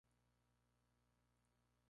Es el componente primario del PubMed.